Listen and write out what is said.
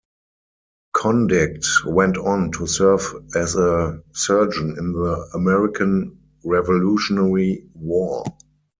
Condict went on to serve as a surgeon in the American Revolutionary War.